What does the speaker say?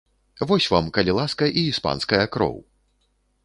Вось вам, калі ласка, і іспанская кроў!